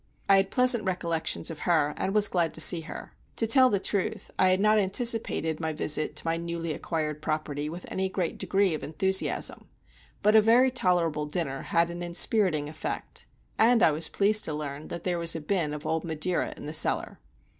I had pleasant recollections of her, and was glad to see her. To tell the truth, I had not anticipated my visit to my newly acquired property with any great degree of enthusiasm; but a very tolerable dinner had an inspiriting effect, and I was pleased to learn that there was a bin of old Madeira in the cellar.